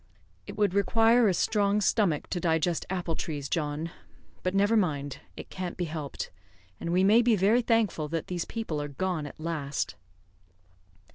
"It would require a strong stomach to digest apple trees, John; but never mind, it can't be helped, and we may be very thankful that these people are gone at last."